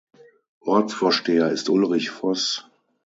Ortsvorsteher ist Ulrich Voß.